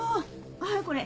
はいこれ。